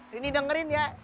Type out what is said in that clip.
rini dengerin ya